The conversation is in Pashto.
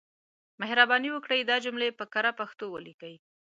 مهرباني وکړئ دا جملې په کره پښتو ليکئ.